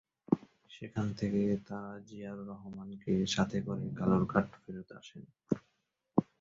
সেখান থেকে তারা জিয়াউর রহমানকে সাথে করে কালুরঘাট ফেরত আসেন।